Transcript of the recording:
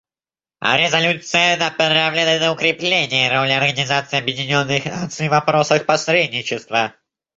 Резолюция направлена на укрепление роли Организации Объединенных Наций в вопросах посредничества.